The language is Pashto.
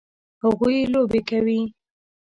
هغوی لوبې کوي